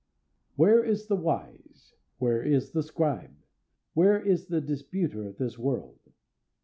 "Where is the wise? Where is the scribe? Where is the disputer of this world?